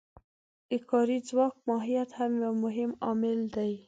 د کاري ځواک ماهیت هم یو مهم عامل دی